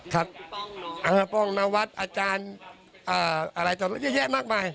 ครับพ่งนวจอาจารย์อะไรเยอะแยะมากมาก